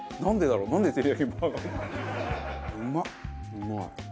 うまい。